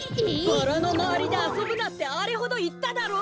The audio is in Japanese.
バラのまわりであそぶなってあれほどいっただろう。